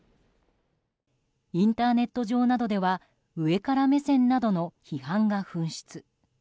インターネット上などでは上から目線などの批判が噴出。